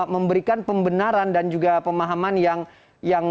memberikan pembenaran dan juga pemahaman yang